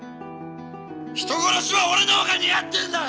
人殺しは俺のほうが似合ってるんだよ！